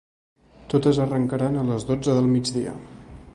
Totes arrencaran a les dotze del migdia.